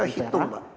mereka hitung mbak